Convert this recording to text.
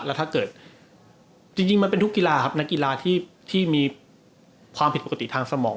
แล้วถ้าเกิดจริงมันเป็นทุกกีฬาครับนักกีฬาที่มีความผิดปกติทางสมอง